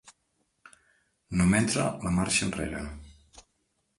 No m'entra la marxa enrere.